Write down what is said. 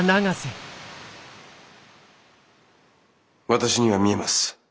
私には見えます。